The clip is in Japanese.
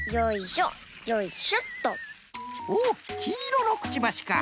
おおきいろのくちばしか。